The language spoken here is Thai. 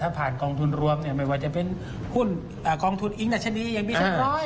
แต่ถ้าผ่านกองทุนรวมหมายว่าจะเป็นกองทุนอิงตร์นาชดียังมีอยู่ชั้น๑๐๐